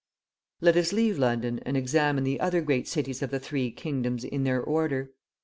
Let us leave London and examine the other great cities of the three kingdoms in their order.